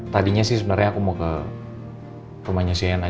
tadinya sih sebenarnya aku mau ke rumahnya si anna